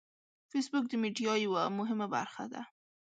فېسبوک د میډیا یوه مهمه برخه ده